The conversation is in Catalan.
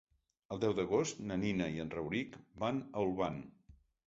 El deu d'agost na Nina i en Rauric van a Olvan.